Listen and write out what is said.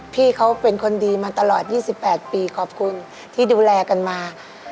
พี่เขาเป็นคนดีมาตลอด๒๘ปีขอบคุณที่ดูแลกันมา